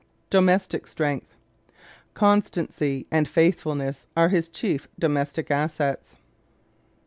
Domestic Strength ¶ Constancy and faithfulness are his chief domestic assets.